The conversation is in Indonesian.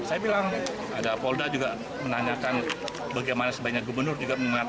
saya bilang ada polda juga menanyakan bagaimana sebaiknya gubernur juga mengatakan